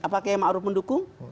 apakah ki haji maruf mendukung